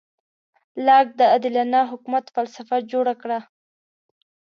لاک د عادلانه حکومت فلسفه جوړه کړه.